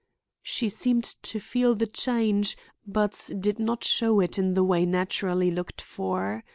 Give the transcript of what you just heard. She seemed to feel the change but did not show it in the way naturally looked for.